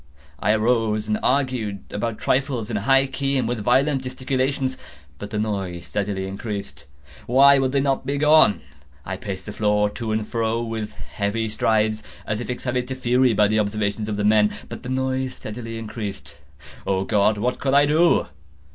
I arose and argued about trifles, in a high key and with violent gesticulations; but the noise steadily increased. Why would they not be gone? I paced the floor to and fro with heavy strides, as if excited to fury by the observations of the men—but the noise steadily increased. Oh God! what could I do?